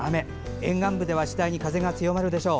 沿岸部では次第に風が強まるでしょう。